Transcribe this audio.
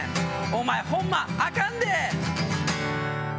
お前ホンマあかんで」